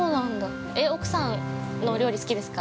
◆奥さんの料理好きですか。